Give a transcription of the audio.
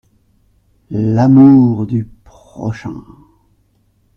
L’amour du prochain.